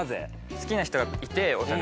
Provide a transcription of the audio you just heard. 好きな人がいてお互い。